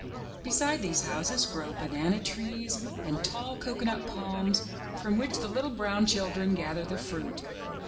Beside these houses grow banana trees, and tall cocoanut palms, from which the little brown children gather the fruit.